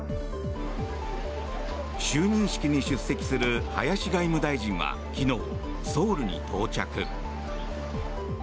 就任式に出席する林外務大臣は昨日ソウルに到着。